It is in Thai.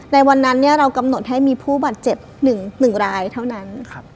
ในวันนั้นเรากำหนดให้มีผู้บาดเจ็บ๑รายเท่านั้น